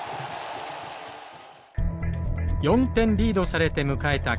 ４点リードされて迎えた